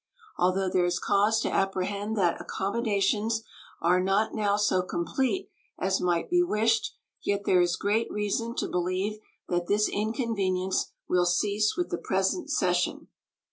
Although there is cause to apprehend that accommodations are not now so complete as might be wished, yet there is great reason to believe that this inconvenience will cease with the present session.